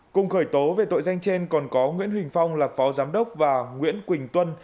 cùng khởi tố về tội danh trên còn có nguyễn huỳnh phong là phó giám đốc và nguyễn quỳnh tuân